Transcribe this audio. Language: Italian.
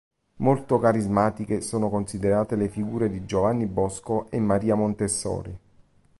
Molto carismatiche sono considerate le figure di Giovanni Bosco e Maria Montessori.